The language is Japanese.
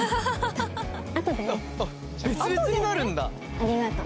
ありがとう。